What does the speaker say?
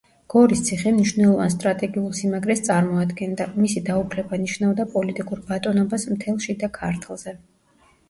გორის ციხე მნიშვნელოვან სტრატეგიულ სიმაგრეს წარმოადგენდა; მისი დაუფლება ნიშნავდა პოლიტიკურ ბატონობას მთელ შიდა ქართლზე.